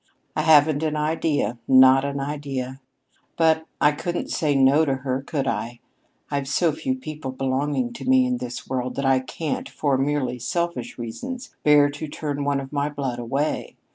"I haven't an idea not an idea. But I couldn't say no to her, could I? I've so few people belonging to me in this world that I can't, for merely selfish reasons, bear to turn one of my blood away.